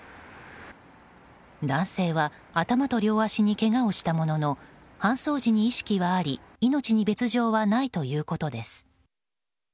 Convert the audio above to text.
男性は頭と両足にけがをしたものの搬送時に意識はあり命に別条はないということです。